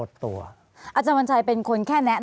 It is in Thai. ภารกิจสรรค์ภารกิจสรรค์